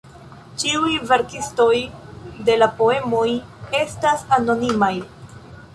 Ĉiuj verkistoj de la poemoj estas anonimaj.